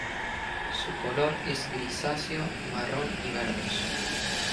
Su color es grisáceo, marrón y verdoso.